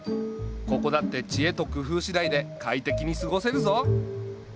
ここだって知恵と工夫しだいで快適に過ごせるぞ。